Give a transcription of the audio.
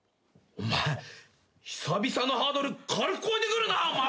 お前久々のハードル軽く越えてくるなお前！